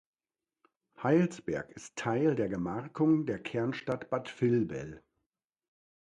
Heilsberg ist Teil der Gemarkung der Kernstadt Bad Vilbel.